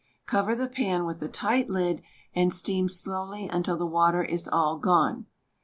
Cover the pan with a tight lid and steam slowly until the water is all gone.